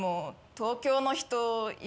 東京の人嫌？